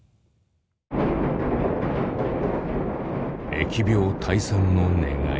疫病退散の願い。